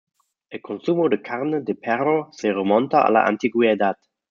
El consumo de carne de perro se remonta a la antigüedad.